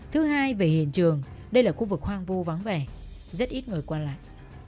thứ hai về hiện trường đây là khu vực hoang vô vắng vẻ rất ít người quan lại